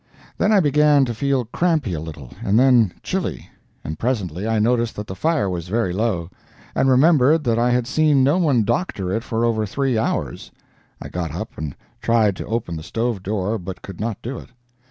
Then I began to feel crampy a little, and then chilly—and presently I noticed that the fire was very low, and remembered that I had seen no one doctor it for over three hours. I got up and tried to open the stove door, but could not do it.